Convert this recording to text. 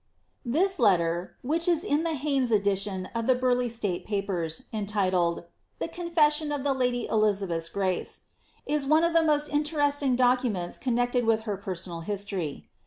'* This letter, whic is in Haynes' edition of the Burleigh State Papeis, entitled, ^ The Confession of the lady Elizabeth's grace,'' is one of the most interesting documents connected with her personal history.